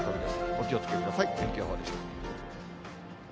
お気をつけください、天気予報でした。